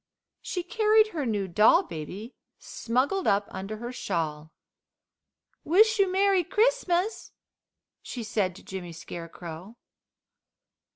She carried her new doll baby smuggled up under her shawl. "Wish you Merry Christmas!" she said to Jimmy Scarecrow.